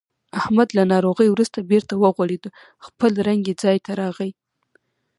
احمد له ناروغۍ ورسته بېرته و غوړېدو. خپل رنګ یې ځای ته راغی.